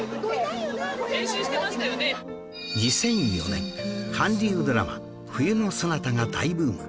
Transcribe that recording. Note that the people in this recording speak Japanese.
２００４年韓流ドラマ『冬のソナタ』が大ブーム